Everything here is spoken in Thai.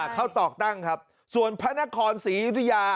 ข้าวตอกตั้งครับส่วนพระนครศรีอิทยา